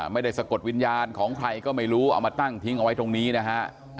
สะกดวิญญาณของใครก็ไม่รู้เอามาตั้งทิ้งเอาไว้ตรงนี้นะฮะ